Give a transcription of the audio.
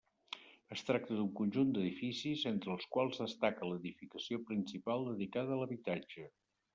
Es tracta d'un conjunt d'edificis, entre els quals destaca l'edificació principal dedicada a l'habitatge.